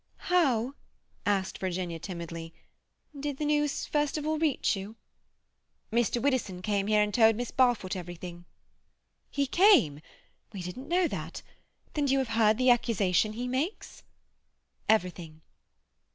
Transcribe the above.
"How," asked Virginia timidly, "did the news first of all reach you?" "Mr. Widdowson came here and told Miss Barfoot everything." "He came? We didn't know that. Then you have heard the accusation he makes?" "Everything."